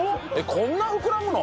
こんな膨らむの？